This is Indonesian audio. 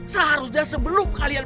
seharusnya sebelum kalian